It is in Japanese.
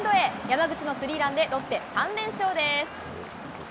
山口のスリーランでロッテ３連勝